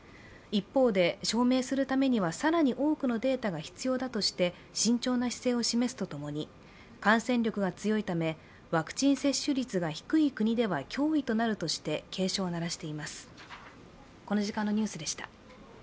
一方で、証明するためには更に多くのデータが必要だとして慎重な姿勢を示すとともに感染力が強いため、ワクチン接種率が低い国では脅威となるとして警鐘を鳴らしています。